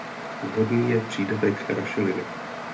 Vhodný je přídavek rašeliny.